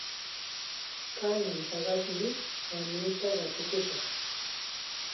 Kanan paqasmi paniita watukashaq.